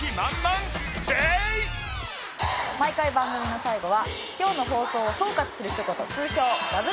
毎回番組の最後は今日の放送を総括するひと言通称ラブ！！